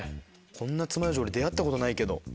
こんなつまようじ俺出合ったことないけど。